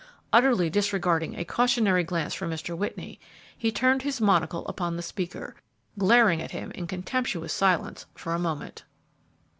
Utterly disregarding a cautionary glance from Mr. Whitney, he turned his monocle upon the speaker, glaring at him in contemptuous silence for a moment.